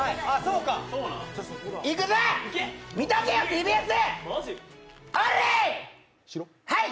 いくぜ、見ておけよ、ＴＢＳ！